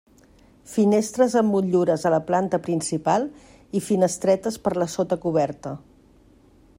Finestres amb motllures a la planta principal i finestretes per la sota coberta.